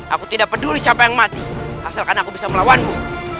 aku tidak peduli siapa yang mati asalkan aku bisa melawanmu